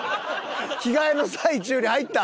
着替えの最中に入った？